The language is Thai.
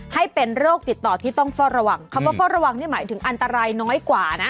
ให้เป็นโรคติดต่อที่ต้องเฝ้าระวังคำว่าเฝ้าระวังนี่หมายถึงอันตรายน้อยกว่านะ